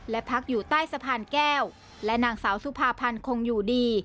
และนางสาวสุภาพันธ์คงอยู่ดี